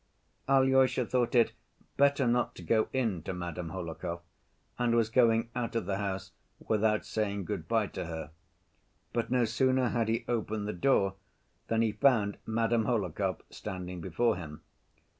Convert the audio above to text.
Alyosha thought it better not to go in to Madame Hohlakov and was going out of the house without saying good‐by to her. But no sooner had he opened the door than he found Madame Hohlakov standing before him.